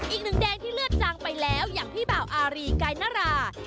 อีกหนึ่งแดงที่เลือดจางไปแล้วอย่างพี่บ่าวอารีกายนรา